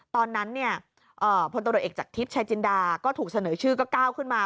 ตอนนั้นเนี่ยพลตรวจเอกจากทิพย์ชายจินดาก็ถูกเสนอชื่อก็ก้าวขึ้นมา